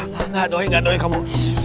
nggak doi nggak doi kamu